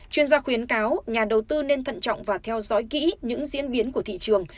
chuyên gia khuyến cáo nhà đầu tư nên thận trọng và theo dõi kỹ những diễn biến của thị trường